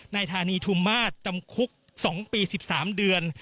นายธานีทุมาสจำคุก๒ปี๑๓เดือน